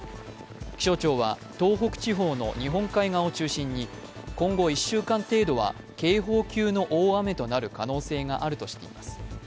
気象庁は東北地方の日本海側を中心に、今後１週間程度は警報級の大雨となる可能性があるとしています。